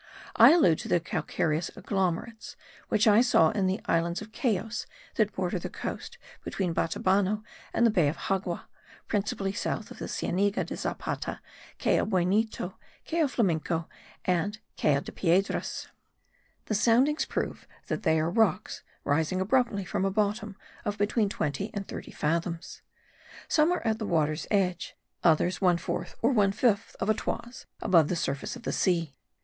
I allude to the calcareous agglomerates, which I saw in the islands of Cayos that border the coast between the Batabano and the bay of Xagua, principally south of the Cienega de Zapata, Cayo Buenito, Cayo Flamenco and Cayo de Piedras. The soundings prove that they are rocks rising abruptly from a bottom of between twenty and thirty fathoms. Some are at the water's edge, others one fourth or one fifth of a toise above the surface of the sea.